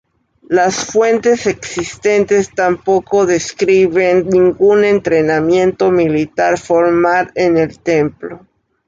Las fuentes existentes tampoco describen ningún entrenamiento militar formal en el Templo.